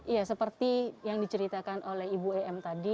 ya seperti yang diceritakan oleh ibu em tadi